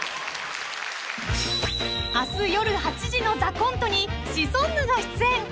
［明日夜８時の『ＴＨＥＣＯＮＴＥ』にシソンヌが出演］